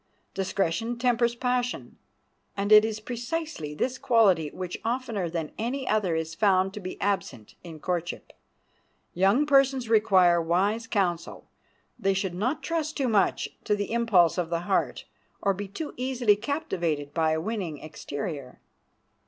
Discretion tempers passion, and it is precisely this quality which oftener than any other is found to be absent in courtship. Young persons require wise counselors. They should not trust too much to the impulse of the heart, nor be too easily captivated by a winning exterior.